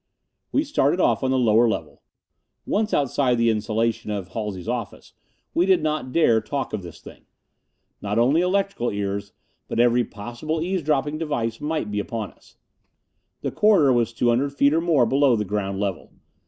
We started off on the lower level. Once outside the insulation of Halsey's office we did not dare talk of this thing. Not only electrical ears, but every possible eavesdropping device might be upon us. The corridor was two hundred feet or more below the ground level.